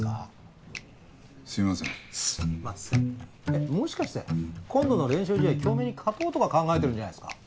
えっもしかして今度の練習試合京明に勝とうとか考えてるんじゃないですか？